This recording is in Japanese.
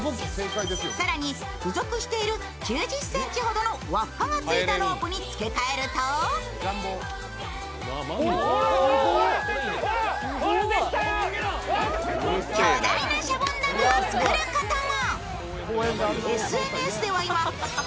更に付属している９０ｃｍほどの輪っかが付いたロープに付け替えると巨大なシャボン玉を作ることも。